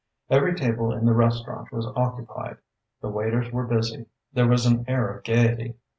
Every table in the restaurant was occupied. The waiters were busy: there was an air of gaiety.